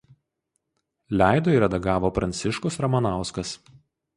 Leido ir redagavo Pranciškus Ramanauskas.